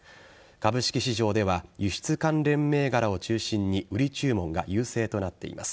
株式市場では輸出関連銘柄を中心に売り注文が優勢となっています。